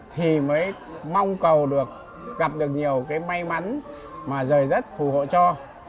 thì mới mong cầu được gặp được nhiều cái may mắn mà rời đất phù hộ cho